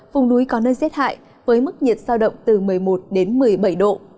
vùng núi có nơi rét hại với mức nhiệt sao động từ một mươi một đến một mươi bảy độ